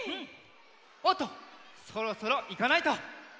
おっとそろそろいかないと。